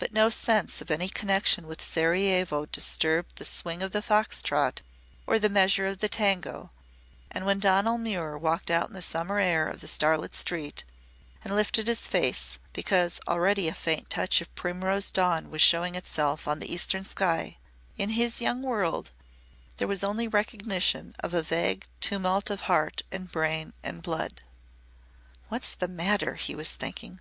But no sense of any connection with Sarajevo disturbed the swing of the fox trot or the measure of the tango, and when Donal Muir walked out into the summer air of the starlit street and lifted his face, because already a faint touch of primrose dawn was showing itself on the eastern sky, in his young world there was only recognition of a vague tumult of heart and brain and blood. "What's the matter?" he was thinking.